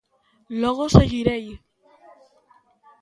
Logo seguirei.